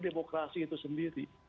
demokrasi itu sendiri